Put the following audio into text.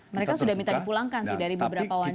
mereka sudah minta dipulangkan sih dari beberapa warga